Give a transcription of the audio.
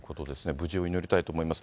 無事を祈りたいと思います。